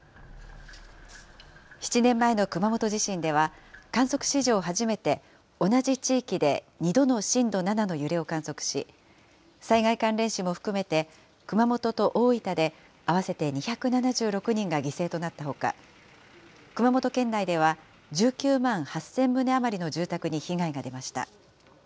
７年前の熊本地震では、観測史上初めて、同じ地域で２度の震度７の揺れを観測し、災害関連死も含めて熊本と大分で合わせて２７６人が犠牲となったほか、熊本県内では、１９万８０００棟余りの住宅に被害が出ました。